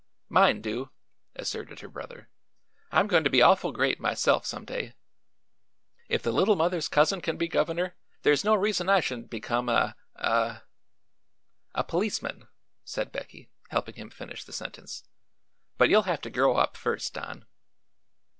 "Mine do," asserted her brother. "I'm goin' to be awful great, myself, some day. If the Little Mother's cousin can be governor, there's no reason I shouldn't become a a " "A policeman," said Becky, helping him finish the sentence. "But you'll have to grow up first, Don."